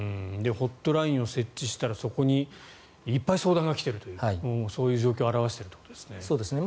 ホットラインを設置したらそこにいっぱい相談が来ているというもうそういう状況を表しているということですね。